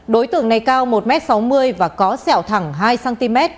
đối tượng này cao một sáu mươi m và có sẹo thẳng hai cm